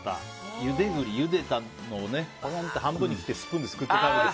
ゆで栗、ゆでたのを半分に切ってスプーンですくって食べる。